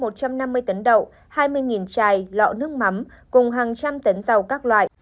một trăm năm mươi tấn đậu hai mươi chai lọ nước mắm cùng hàng trăm tấn dầu các loại